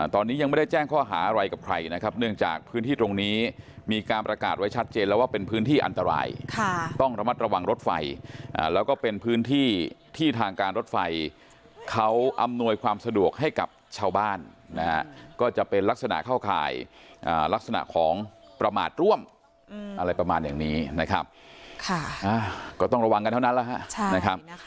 ตอนนี้ยังไม่ได้แจ้งข้อหาอะไรกับใครนะครับเนื่องจากพื้นที่ตรงนี้มีการประกาศไว้ชัดเจนแล้วว่าเป็นพื้นที่อันตรายต้องระมัดระวังรถไฟแล้วก็เป็นพื้นที่ที่ทางการรถไฟเขาอำนวยความสะดวกให้กับชาวบ้านนะฮะก็จะเป็นลักษณะเข้าข่ายลักษณะของประมาทร่วมอะไรประมาณอย่างนี้นะครับก็ต้องระวังกันเท่านั้นแล้วฮะนะครับ